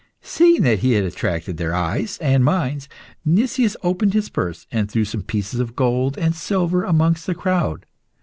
Seeing that he had attracted their eyes and minds, Nicias opened his purse and threw some pieces of gold and silver amongst the crowd.